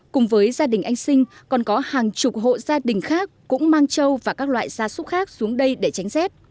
cùng với gia đình anh sinh còn có hàng chục hộ gia đình khác cũng mang châu và các loại gia súc khác xuống đây để tránh rét